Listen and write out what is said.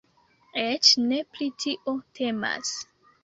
Eĉ ne pri tio temas.